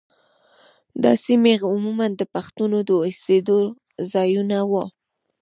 دا سیمې عموماً د پښتنو د اوسېدو ځايونه وو.